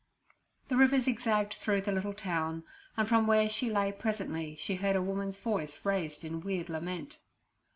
The river zigzagged through the little town, and from where she lay presently she heard a woman's voice raised in weird lament.